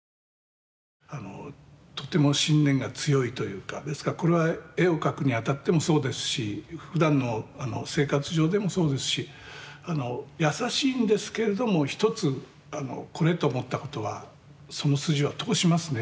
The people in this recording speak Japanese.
とても信念が強いというかですからこれは絵を描くにあたってもそうですしふだんの生活上でもそうですし優しいんですけれども一つこれと思ったことはその筋は通しますね。